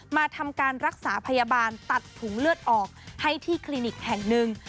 มาทำการรักษาพยาบาลตัดถุงเลือดออกให้ที่คลินิกแห่งหนึ่ง